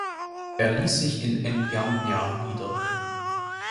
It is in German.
Er ließ sich in N’Djamena nieder.